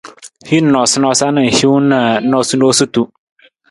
Hin noosanoosa na hiwung na noosunonosutu.